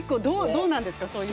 どうなんですか？